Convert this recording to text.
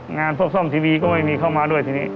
งานพวกซ่อมทีวีก็ไม่มีเข้ามาด้วยทีนี้